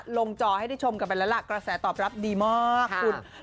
ลงจอให้ได้ชมกับเบลล่ารานีกระแสตอบรับดีมากคุณ